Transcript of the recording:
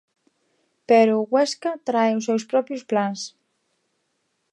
Pero o Huesca trae os seus propios plans.